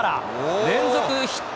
連続ヒット。